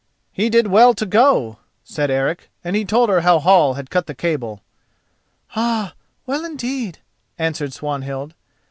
"He did well to go," said Eric, and he told her how Hall had cut the cable. "Ay, well indeed," answered Swanhild.